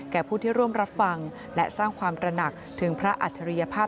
ผู้ที่ร่วมรับฟังและสร้างความตระหนักถึงพระอัจฉริยภาพ